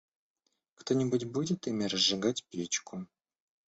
Кто-нибудь будет ими разжигать печку.